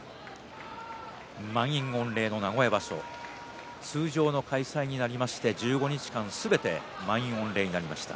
満員御礼の名古屋場所通常の開催になりまして１５日間すべて満員御礼になりました。